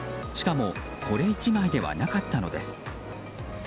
しかも、これ１枚ではなかったのです。